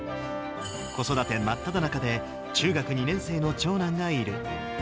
子育て真っただ中で、中学２年生の長男がいる。